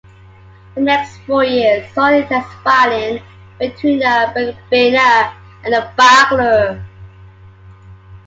The next four years saw intense fighting between the "birkebeiner" and the "bagler".